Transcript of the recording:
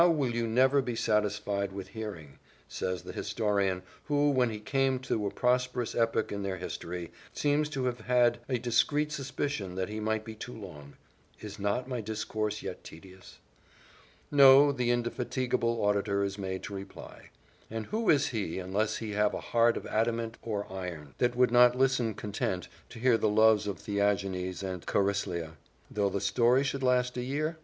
will you never be satisfied with hearing?" says their historian, who, when he came to a prosperous epoch in their history, seems to have had a discreet suspicion that he might be too long; "Is not my discourse yet tedious?" "No," the indefatigable auditor is made to reply; "and who is he, unless he have a heart of adamant or iron, that would not listen content to hear the loves of Theagenes and Chariclea, though the story should last a year?